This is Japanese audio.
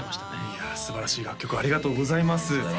いやすばらしい楽曲をありがとうございます